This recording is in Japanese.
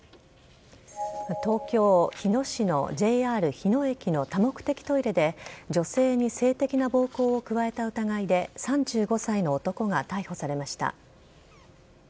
東京・日野市のＪＲ日野駅の多目的トイレで女性に性的な暴行を加えた疑いで３５歳の男が逮捕されました。